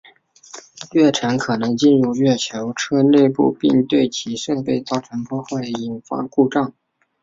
月尘可能进入月球车内部并对其设备造成破坏引发故障。